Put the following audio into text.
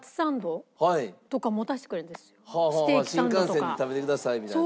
私いつも新幹線で食べてくださいみたいな。